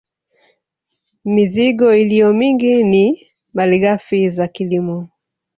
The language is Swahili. Mizigo iliyo mingi ni malighafi za kilimo